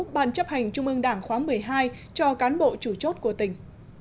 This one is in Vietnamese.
bàn chấp hành chung ương đảng khoá một mươi hai cho cán bộ chủ chốt của tỉnh